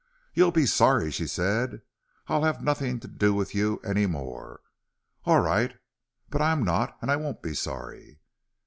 "You'll be sorry," she said. "I'll have nothing to do with you any more." "All right. But I'm not, and I won't be sorry."